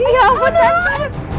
ya ampun tante